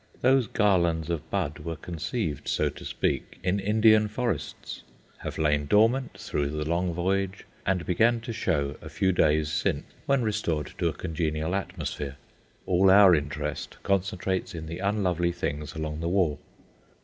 Those garlands of bud were conceived, so to speak, in Indian forests, have lain dormant through the long voyage, and began to show a few days since when restored to a congenial atmosphere. All our interest concentrates in the unlovely things along the wall.